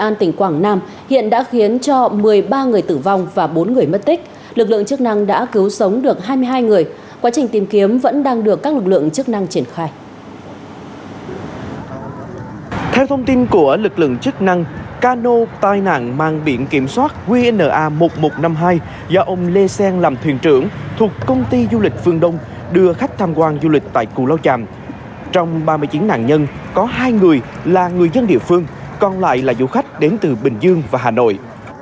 liên quan đến vụ lật cano ở thành phố hà nội thì có hai người là người dân địa phương còn lại là du khách đến từ bình dương và hà nội